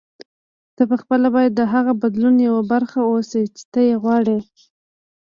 ته پخپله باید د هغه بدلون یوه برخه اوسې چې ته یې غواړې.